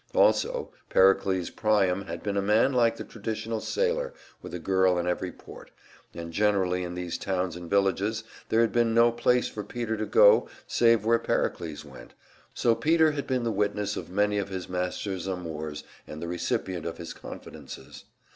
Also, Pericles Priam had been a man like the traditional sailor, with a girl in every port; and generally in these towns and villages there had been no place for Peter to go save where Pericles went, so Peter had been the witness of many of his master's amours and the recipient of his confidences.